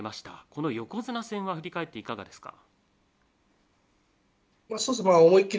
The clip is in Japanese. この横綱戦は振り返っていかがですか？